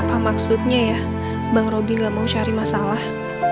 apa maksudnya ya bang robby gak mau cari masalah